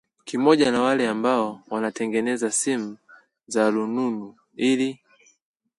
kimoja na wale ambao wanatengeneza simu za rununu ili